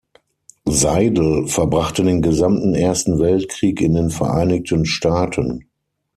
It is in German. Seidel verbrachte den gesamten Ersten Weltkrieg in den Vereinigten Staaten.